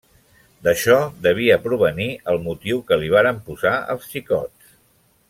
D'això devia provenir el motiu que li varen posar els xicots.